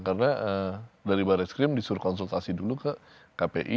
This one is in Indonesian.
karena dari barreskrim disuruh konsultasi dulu ke kpi